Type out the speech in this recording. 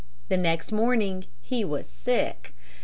The next morning he was sick.